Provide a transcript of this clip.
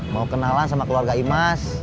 mau kenalan sama keluarga imas